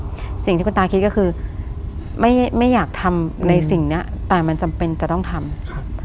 สิ่งที่คุณตาคิดก็คือไม่ไม่อยากทำในสิ่งเนี้ยแต่มันจำเป็นจะต้องทำครับ